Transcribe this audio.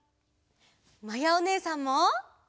まやおねえさんも！